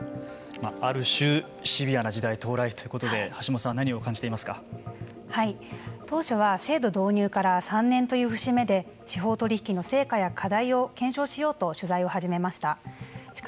ある種シビアな時代到来ということで当初は制度導入から３年という節目で司法取引の成果や課題を検証しようと取材を始めました。